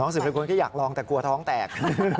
น้องสึกษกุลก็อยากลองแต่กลัวท้องแตก